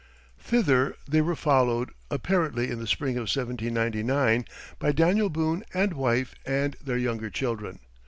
Thither they were followed, apparently in the spring of 1799, by Daniel Boone and wife and their younger children.